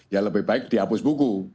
ya lebih baik dihapus buku